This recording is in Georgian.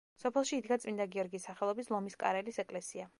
სოფელში იდგა წმინდა გიორგის სახელობის ლომისკარელის ეკლესია.